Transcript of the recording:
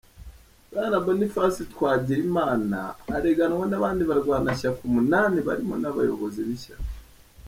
Bwana Boniface Twagirimana areganwa n’abandi barwanashyaka umunani barimo n’abayobozi b’ishyaka.